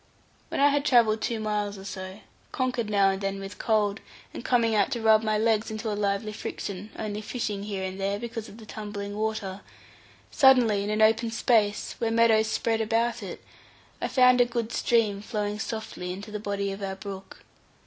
When I had travelled two miles or so, conquered now and then with cold, and coming out to rub my legs into a lively friction, and only fishing here and there, because of the tumbling water; suddenly, in an open space, where meadows spread about it, I found a good stream flowing softly into the body of our brook.